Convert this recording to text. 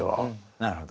なるほど。